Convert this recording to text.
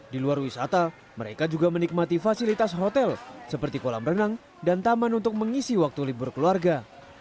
di luar wisata mereka juga menikmati fasilitas hotel seperti kolam renang dan taman untuk mengisi waktu libur keluarga